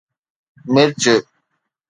مرچ